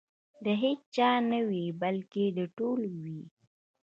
د هیچا نه وي بلکې د ټولو وي.